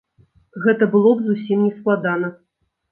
Гэта было б зусім нескладана.